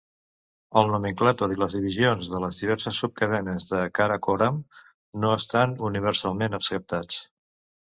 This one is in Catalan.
El nomenclàtor i les divisions de les diverses subcadenes del Karakoram no estan universalment acceptats.